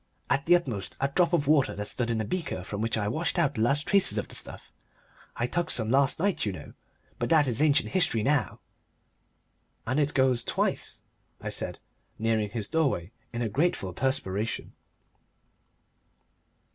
"At the utmost a drop of water that stood in a beaker from which I had washed out the last traces of the stuff. I took some last night, you know. But that is ancient history, now." "And it goes twice?" I said, nearing his doorway in a grateful perspiration.